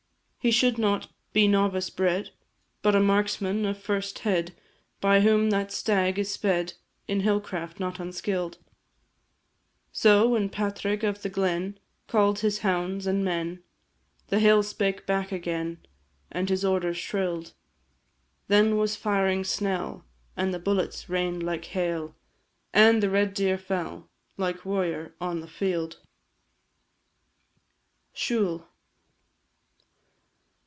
He should not be novice bred, But a marksman of first head, By whom that stag is sped, In hill craft not unskill'd; So, when Padraig of the glen Call'd his hounds and men, The hill spake back again, As his orders shrill'd; Then was firing snell, And the bullets rain'd like hail, And the red deer fell Like warrior on the field. SIUBHAL.